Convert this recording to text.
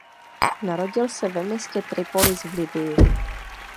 Narodil se ve městě Tripolis v Libyi.